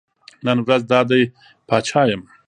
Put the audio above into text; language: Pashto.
نن ورځ دا دی پاچا یم.